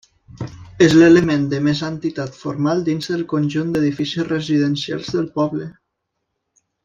És l'element de més entitat formal dintre del conjunt d'edificis residencials del poble.